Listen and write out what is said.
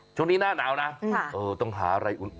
ช่วงนี้หน้าหนาวนะต้องหาอะไรอุ่น